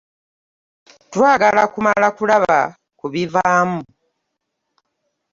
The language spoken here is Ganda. Twagala kumala kulaba ku bivaamu.